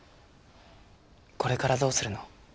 これからどうするの？